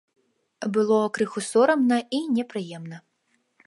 Было крыху сорамна і непрыемна.